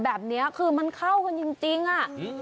แบบนี้คือมันเข้ากันจริงอ่ะ